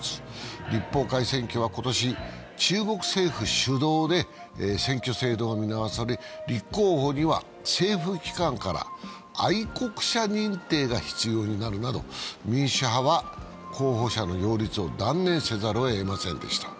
立法会選挙は今年、中国政府主導で選挙制度が見直され、立候補には政府機関から愛国者認定が必要になるなど民主派は候補者の擁立を断念せざるをえませんでした。